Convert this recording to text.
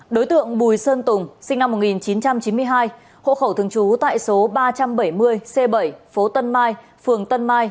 đối tượng bùi sơn tùng sinh năm một nghìn chín trăm chín mươi hai hộ khẩu thường trú tại số ba trăm bảy mươi c bảy phố tân mai phường tân mai